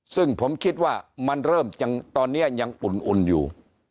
ซึ่งผมคิดว่ามันเริ่มตอนนี้ยังอุ่นอยู่